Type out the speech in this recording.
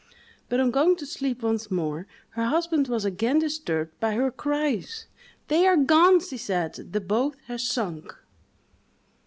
But on going to sleep once more, her husband was again disturbed by her cries: "They are gone!" she said, "the boat has sunk!"